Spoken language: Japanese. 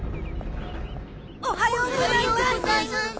おはようございます。